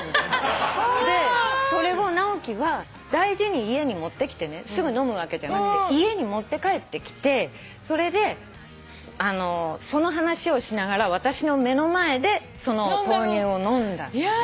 でそれを直樹は大事に家に持ってきてねすぐ飲むわけじゃなくて家に持って帰ってきてそれでその話をしながら私の目の前でその豆乳を飲んだのね。